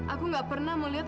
aku gak pernah melihat